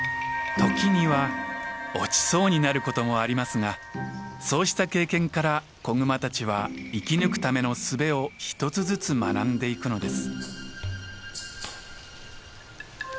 時には落ちそうになることもありますがそうした経験から子グマたちは生き抜くための術を一つずつ学んでいくのです。